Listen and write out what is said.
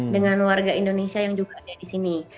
dengan warga indonesia yang juga ada di sini